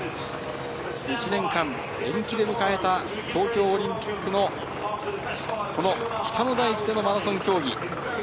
１年間延期で迎えた東京オリンピックのこの北の大地でのマラソン競技。